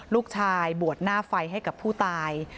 ลูกชายบวชหน้าไฟให้กับผู้ตาย